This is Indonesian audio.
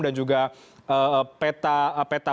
dan juga peta